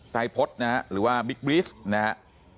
ไตรพฤตนะฮะหรือว่าบิ๊กบริสต์นะฮะ